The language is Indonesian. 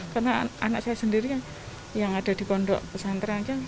karena anak saya sendiri yang ada di kondok pesantren